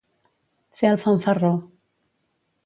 Fer el fanfarró.